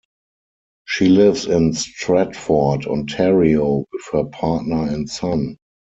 She lives in Stratford, Ontario, with her partner and son.